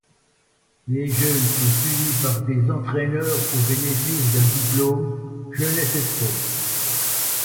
Les jeunes sont suivis par des entraineurs au bénéfice d'un diplôme Jeunesse et Sport.